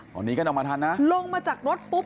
ตอนนี้ก็นำมาทันนะลงมาจากรถปุ๊บ